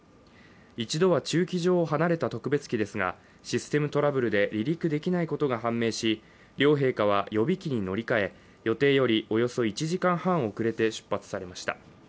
一度は駐機場を離れた特別機ですが、システムトラブルで離陸できないことが判明し、両陛下は予備機に乗り換え予定よりおよそ１時間半遅れて出発されました。